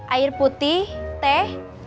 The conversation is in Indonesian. air putih teh